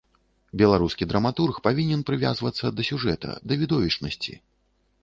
Беларускі драматург павінен прывязвацца да сюжэта, да відовішчнасці.